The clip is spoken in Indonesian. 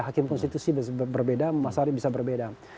hakim konstitusi bisa berbeda masyarakat bisa berbeda